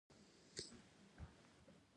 کاغذ یې ارزان بیه وټاکئ.